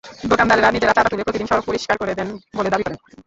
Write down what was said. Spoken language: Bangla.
দোকানদারেরা নিজেরা চাঁদা তুলে প্রতিদিন সড়ক পরিষ্কার করে দেন বলে দাবি করেন।